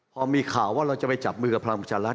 พอมีข่าวว่าเราจะไปจับมือกับพลังประชารัฐ